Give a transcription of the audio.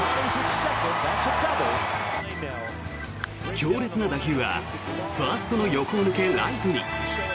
強烈な打球はファーストの横を抜けライトに。